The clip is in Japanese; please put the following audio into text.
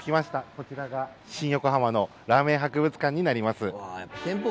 こちらが新横浜のラーメン博物館になります。